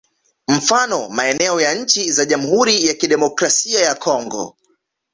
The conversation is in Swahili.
Mfano maeneo ya nchi za Jamhuri ya Kidemokrasia ya Congo